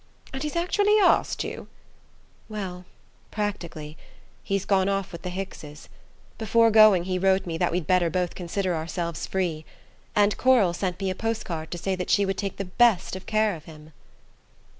"And he's actually asked you ?" "Well: practically. He's gone off with the Hickses. Before going he wrote me that we'd better both consider ourselves free. And Coral sent me a postcard to say that she would take the best of care of him."